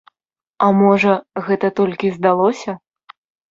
А можа, гэта толькі здалося?